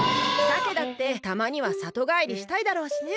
さけだってたまにはさとがえりしたいだろうしね。